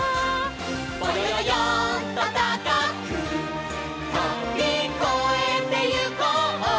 「ぼよよよんとたかくとびこえてゆこう」